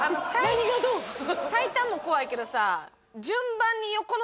最短も怖いけどさ。